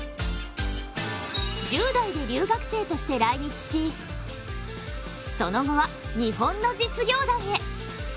１０代で留学生として来日しその後は日本の実業団へ。